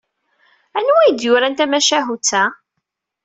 Anwa ay d-yuran tamacahut-a?